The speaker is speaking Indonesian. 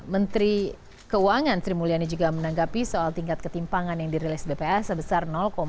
menteri keuangan sri mulyani juga menanggapi soal tingkat ketimpangan yang dirilis bps sebesar tiga ratus delapan puluh sembilan